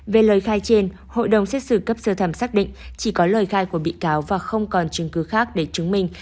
về lời khai trên hội đồng xét xử cấp sơ thẩm xác định chỉ có lời khai của bị cáo và không còn chứng cứ khác để chứng minh